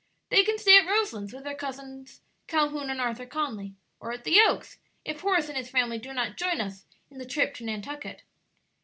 "They can stay at Roselands with their cousins Calhoun and Arthur Conly; or at the Oaks, if Horace and his family do not join us in the trip to Nantucket."